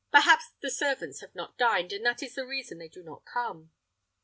Perhaps the servants have not dined, and that is the reason they do not come."